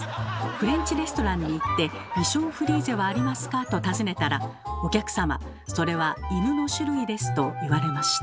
フレンチレストランに行って「ビションフリーゼはありますか？」と尋ねたら「お客様それは犬の種類です」と言われました。